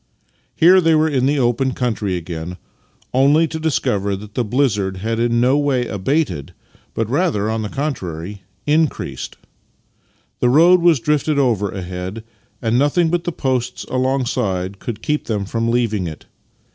Here they were in the open country again — only to discover that the blizzard had in no way abated, but rather, on the contrary, increased. The road was drifted over ahead, and nothing but the posts alongside could keep them from leaving it.